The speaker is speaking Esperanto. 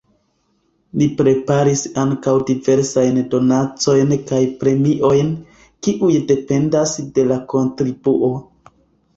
Ni preparis ankaŭ diversajn donacojn kaj premiojn, kiuj dependas de la kontribuo.